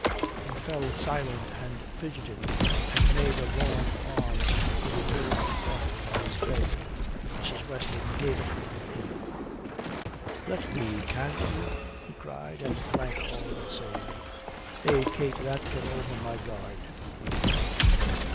He fell silent and fidgeted, and made a long arm for the herb water by his bed. Mrs. Weston gave it him. "Let be, can't you?" he cried, and drank all the same. "Eh, Kate that came over my guard....